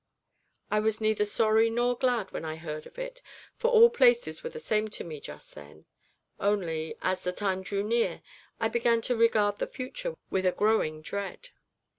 I was neither sorry nor glad when I heard of it, for all places were the same to me just then; only, as the time drew near, I began to regard the future with a growing dread.